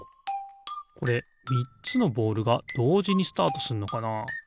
これみっつのボールがどうじにスタートすんのかな？